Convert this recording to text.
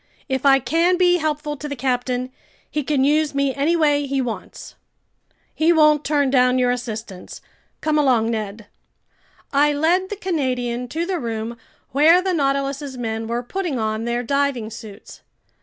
If I can be helpful to the captain, he can use me any way he wants." "He won't turn down your assistance. Come along, Ned." I led the Canadian to the room where the Nautilus's men were putting on their diving suits.